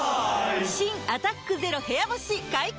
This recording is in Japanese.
新「アタックＺＥＲＯ部屋干し」解禁‼